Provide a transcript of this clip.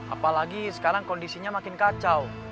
apalagi sekarang kondisinya makin kacau